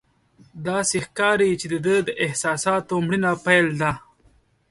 داسې ښکاري چې د ده د احساساتو مړینه پیل ده.